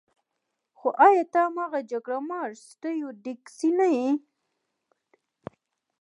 خو ایا ته هماغه جګړه مار سټیو ډیکسي نه یې